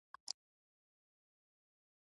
افغانستان د ښارونو د ترویج لپاره پروګرامونه لري.